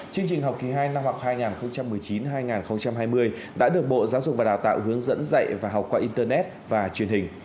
chương trình học kỳ hai năm học hai nghìn một mươi chín hai nghìn hai mươi đã được bộ giáo dục và đào tạo hướng dẫn dạy và học qua internet và truyền hình